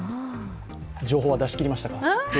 情報は出しきりましたか？